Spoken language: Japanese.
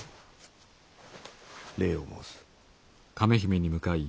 礼を申す。